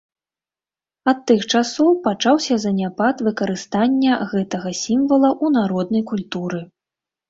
Ад тых часоў пачаўся заняпад выкарыстання гэтага сімвала ў народнай культуры.